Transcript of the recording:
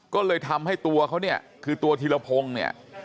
ก็เลยทำให้ตัวเขาเนี่ยคือตัวธีรพงศ์เนี่ย